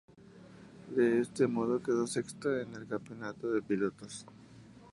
De este modo, quedó sexto en el campeonato de pilotos.